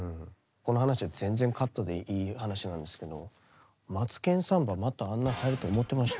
この話は全然カットでいい話なんですけど「マツケンサンバ」またあんなはやると思ってました？